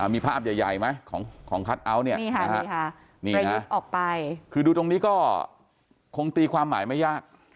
มีภาพใหญ่ไหมของคัทเอาท์เนี่ยออกไปคือดูตรงนี้ก็คงตีความหมายไม่ยาก